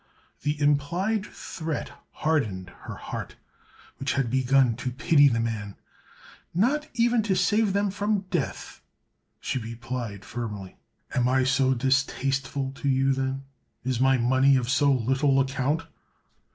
The implied threat hardened her heart, which had begun to pity the man. "Not even to save them from death!" she replied firmly. "Am I so distasteful to you, then? Is my money of so little account?"